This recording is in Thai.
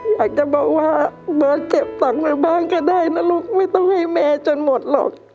อยากจะบอกว่าเบิร์ตเก็บตังค์ในบ้านก็ได้นะลูกไม่ต้องให้แม่จนหมดหรอก